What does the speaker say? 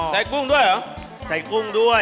ใส่กุ้งด้วยหรอ